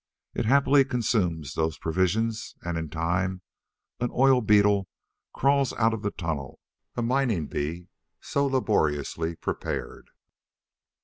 It happily consumes those provisions and, in time, an oil beetle crawls out of the tunnel a mining bee so laboriously prepared.